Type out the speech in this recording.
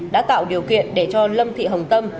đã tạo điều kiện để cho lâm thị hồng tâm